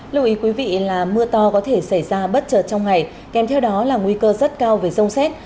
lưu ý quý vị là mưa to có thể xảy ra bất chợt trong ngày kèm theo đó là nguy cơ rất cao về rông xét